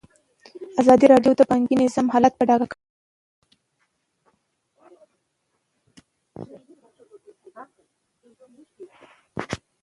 ازادي راډیو د بانکي نظام حالت په ډاګه کړی.